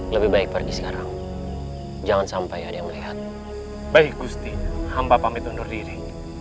lebih baik pergi sekarang jangan sampai ada yang melihat baik gusti hamba pamit undur diri